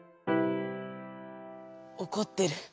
おこってる。